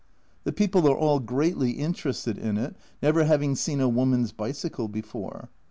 The people are all greatly interested in it, never having seen a woman's bicycle before.